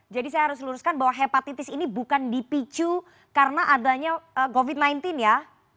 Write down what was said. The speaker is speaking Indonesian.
jadi saya harus luruskan bahwa hepatitis ini bukan dipicu karena adanya covid sembilan belas ya